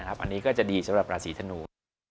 อันนี้ก็จะดีสำหรับราศีธนู